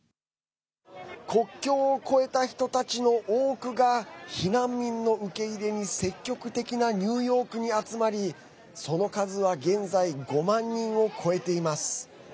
国境を越えた人たちの多くが避難民の受け入れに積極的なニューヨークに集まりその数は現在５万人を超えています。